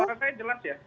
sekarang saya jelas ya